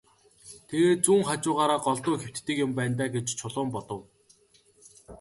Тэгээд зүүн хажуугаараа голдуу хэвтдэг юм байна даа гэж Чулуун бодов.